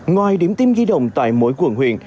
ngoài điểm tiêm di động tại mỗi quận huyện